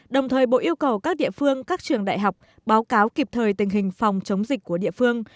đồng thời bộ yêu cầu các địa phương các trường đại học báo cáo kịp thời tình hình phòng chống dịch của địa phương